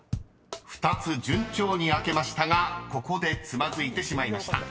［２つ順調に開けましたがここでつまずいてしまいました］